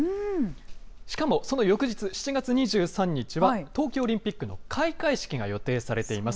しかもその翌日、７月２３日は、東京オリンピックの開会式が予定されています。